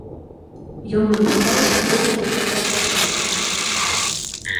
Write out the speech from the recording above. Ён напісаў больш за дзясятак кніг.